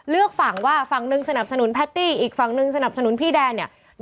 เลือกฝั่งว่าฝั่งหนึ่งสนับสนุนแพตตี้อีกฝั่งนึงสนับสนุนพี่แดนเนี่ย